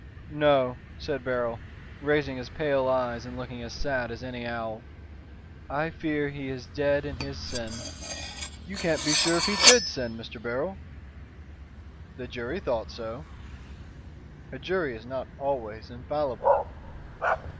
"No," said Beryl, raising his pale eyes and looking as sad as any owl. "I fear he is dead in his sin." "You can't be sure if he did sin, Mr. Beryl." "The jury thought so." "A jury is not always infallible!"